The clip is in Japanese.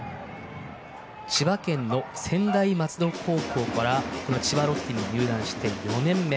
千葉県の専大松戸高校からこの千葉ロッテに入団して４年目。